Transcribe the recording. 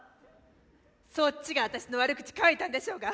そっちが私の悪口書いたんでしょうが。